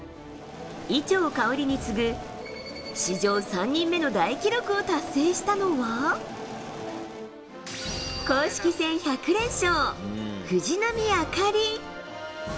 伊調馨に次ぐ、史上３人目の大記録を達成したのは、公式戦１００連勝、藤波朱理。